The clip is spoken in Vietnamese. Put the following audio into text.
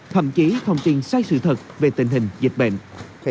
thậm chí thông tin sai sự thật về tình hình dịch bệnh